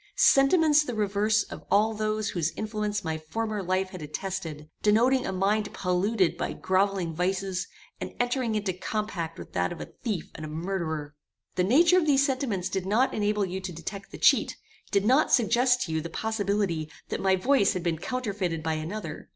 Sentiments the reverse of all those whose influence my former life had attested, denoting a mind polluted by grovelling vices, and entering into compact with that of a thief and a murderer. The nature of these sentiments did not enable you to detect the cheat, did not suggest to you the possibility that my voice had been counterfeited by another.